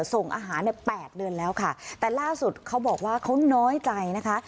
ส่งอาหารในแปดเดือนแล้วค่ะแต่ล่าสุดเขาบอกว่าเขาน้อยใจนะคะ